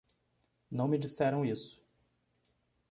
Não me disseram isso.